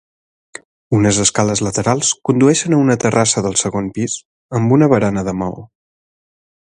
Unes escales laterals condueixen a una terrassa del segon pis, amb una barana de maó.